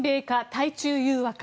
対中融和か？